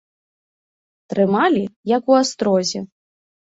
Трымалі, як у астрозе.